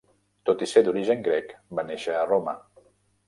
Tot i ser d'origen grec va néixer a Roma.